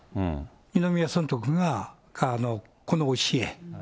二宮尊徳がこの教え。